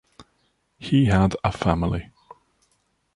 He had a family.